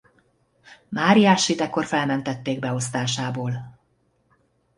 Máriássyt ekkor felmentették beosztásából.